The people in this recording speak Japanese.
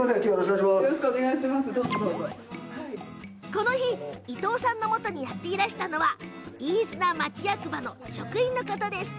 この日、伊藤さんのもとにやっていらしたのは飯綱町役場の職員の方です。